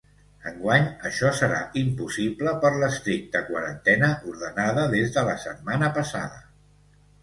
Enguany, això serà impossible, per l’estricta quarantena ordenada des de la setmana passada.